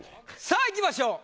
さあいきましょう。